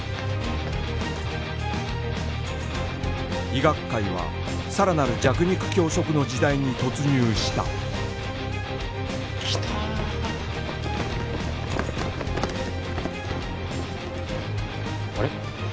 医学界はさらなる弱肉強食の時代に突入した来たー！あれ？